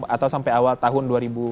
atau sampai awal tahun dua ribu dua puluh